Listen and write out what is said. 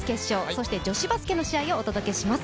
そして女子バスケの試合をお届けします。